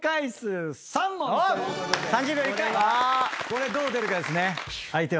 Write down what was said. これどう出るかですね。